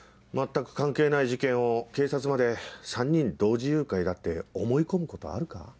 全く関係ない事件を警察まで３人同時誘拐だって思い込むことあるか？